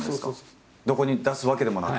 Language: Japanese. どこに出すわけでもなく。